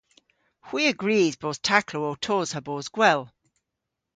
Hwi a grys bos taklow ow tos ha bos gwell.